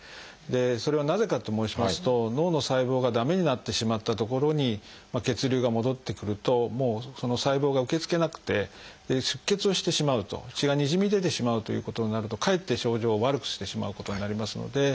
それはなぜかと申しますと脳の細胞が駄目になってしまった所に血流が戻ってくるともうその細胞が受け付けなくて出血をしてしまうと血がにじみ出てしまうということになるとかえって症状を悪くしてしまうことになりますので。